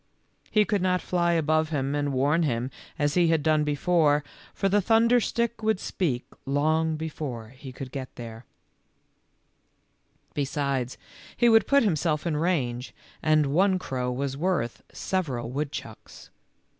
He could not fly above him and warn him as he had done before, for the thunderstick would speak long before he could get there ; besides, he would put himself in range, and one crow was worth sev eral woodchucks.